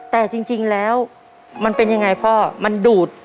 แต่จริงแล้วมันเป็นยังไงพ่อมันดูด